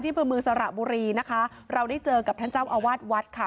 บริเวณสระบุรีนะคะเราได้เจอกับท่านเจ้าอาวาสวัดค่ะ